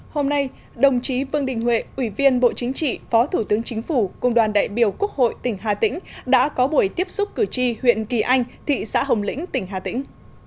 hôm nay đồng chí vương đình huệ ủy viên bộ chính trị phó thủ tướng chính phủ cùng đoàn đại biểu quốc hội tỉnh hà tĩnh đã có buổi tiếp xúc cử tri huyện kỳ anh thị xã hồng lĩnh tỉnh hà tĩnh